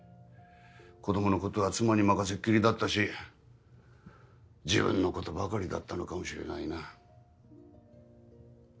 子どものことは妻に任せっきりだったし自分のことばかりだったのかもしれないな。